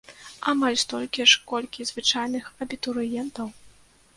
Амаль столькі ж, колькі звычайных абітурыентаў!